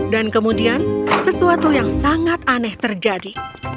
dan kemudian sesuatu yang sangat aneh terjadi